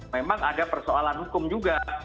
memang ada persoalan hukum juga